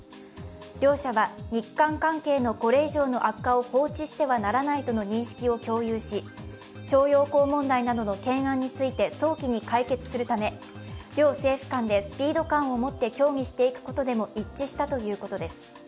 両者は日韓関係のこれ以上の悪化を放置してはならないとの認識を共有し、徴用工問題などの懸案について早期に解決するため、両政府間でスピード感をもって協議していくことでも一致したということです。